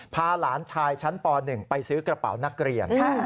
พาหลานชายชั้นป๑ไปซื้อกระเป๋านักเรียน